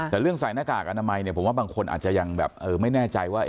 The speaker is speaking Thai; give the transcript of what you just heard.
แต่เรื่องใส่หน้ากากอนามัยเนี่ยผมว่าบางคนอาจจะยังแบบไม่แน่ใจว่า